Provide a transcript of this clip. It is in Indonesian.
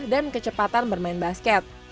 dan kecepatan bermain basket